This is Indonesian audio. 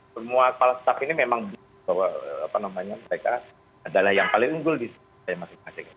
semua kepala staf ini memang mereka adalah yang paling unggul di masing masing